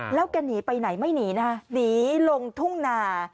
แล้วแกหนีไปไหนไม่หนีนะคะหนีลงทุ่งนา